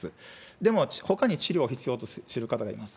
でも、ほかに治療を必要とする方がいます。